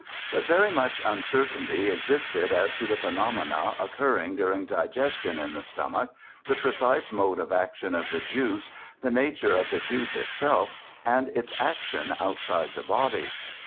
But very much uncertainty existed as to the phenomena occurring during digestion in the stomach, the precise mode of action of the juice, the nature of the juice itself, and its action outside the body.